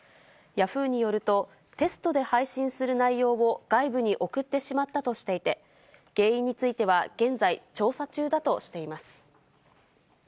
ヤフーによると、テストで配信する内容を外部に送ってしまったとしていて、原因については、現在、調査中だとしています。